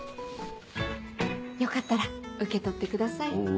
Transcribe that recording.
よかったら受け取ってください。